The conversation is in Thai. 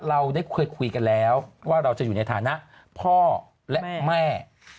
เราได้เคยคุยกันแล้วว่าเราจะอยู่ในฐานะพ่อและแม่